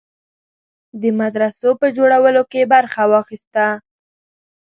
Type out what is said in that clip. د مدرسو په جوړولو کې برخه واخیسته.